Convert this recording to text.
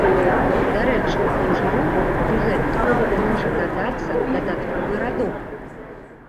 Дарэчы, у жыроўку пры гэтым можа дадацца дадатковы радок.